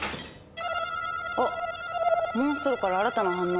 あっモンストロから新たな反応。